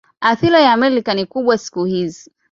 Athira ya Amerika ni kubwa siku hizi.